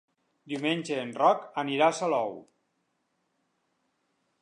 Diumenge en Roc anirà a Salou.